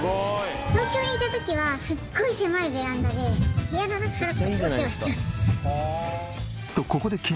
東京にいた時はすっごい狭いベランダで部屋の中でお世話してました。